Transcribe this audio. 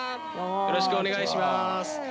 よろしくお願いします。